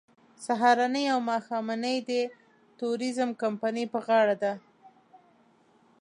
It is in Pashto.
سهارنۍ او ماښامنۍ د ټوریزم کمپنۍ په غاړه ده.